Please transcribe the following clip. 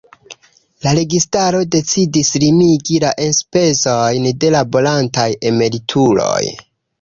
La registaro decidis limigi la enspezojn de laborantaj emerituloj.